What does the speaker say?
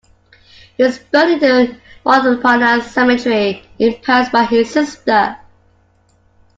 He was buried in Montparnasse Cemetery in Paris by his sister.